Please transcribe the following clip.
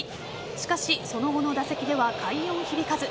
しかしその後の打席では快音響かず。